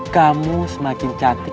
kamu semakin cantik